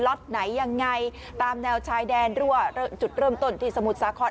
็ตไหนยังไงตามแนวชายแดนรั่วจุดเริ่มต้นที่สมุทรสาคร